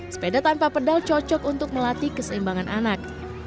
sepeda tanpa pedal cocok untuk melatih keseimbangan anak